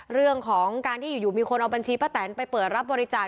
เรื่องของการที่อยู่มีคนเอาบัญชีป้าแตนไปเปิดรับบริจาค